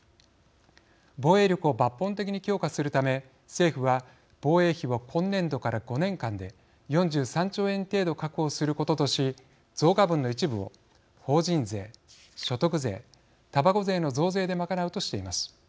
防衛力を抜本的に強化するため政府は、防衛費を今年度から５年間で４３兆円程度確保することとし増加分の一部を法人税、所得税、たばこ税の増税で賄うとしています。